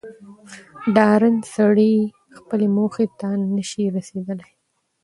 ډارن سړی خپلي موخي ته نه سي رسېدلاي